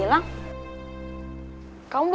orang itu mati juga